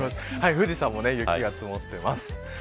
富士山にも雪が積もっています。